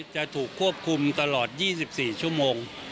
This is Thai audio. จะถูกควบคุมตลอด๒๔ชั่วโมง